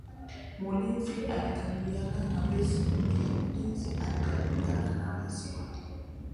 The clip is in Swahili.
Mlinzi alikabiliana na wezi wote